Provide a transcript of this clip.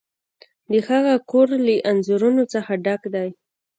د هغه کور له انځورونو څخه ډک دی.